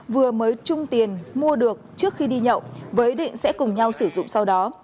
vừa mới trung tiền mua được trước khi đi nhậu với ý định sẽ cùng nhau sử dụng sau đó